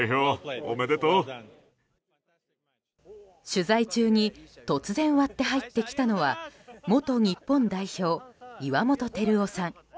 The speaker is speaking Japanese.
取材中に突然、割って入ってきたのは元日本代表、岩本輝雄さん。